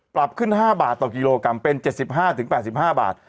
ปรับขึ้น๕บาทต่อกิโลกรัมเป็น๗๕๘๕บาท